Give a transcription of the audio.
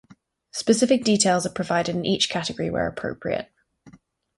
Specific details are provided in each category where appropriate.